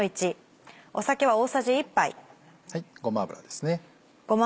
ごま油ですね。